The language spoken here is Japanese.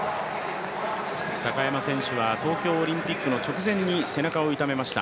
高山選手は東京オリンピックの直前に背中を痛めました。